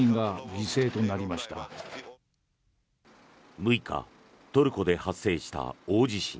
６日、トルコで発生した大地震。